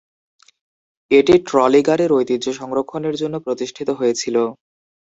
এটি ট্রলি গাড়ির ঐতিহ্য সংরক্ষণের জন্য প্রতিষ্ঠিত হয়েছিল।